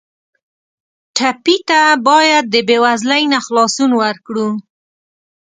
ټپي ته باید د بېوزلۍ نه خلاصون ورکړو.